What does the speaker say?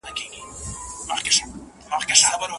د ولور پيسې به په خپل وخت ورکول کيږي.